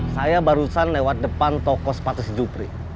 saya barusan lewat depan toko sepatu si jupri